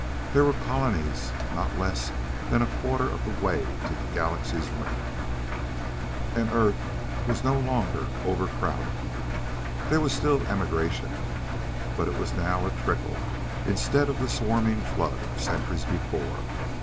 There were colonies not less than a quarter of the way to the Galaxy's rim, and Earth was no longer over crowded. There was still emigration, but it was now a trickle instead of the swarming flood of centuries before.